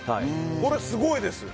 これ、すごいです。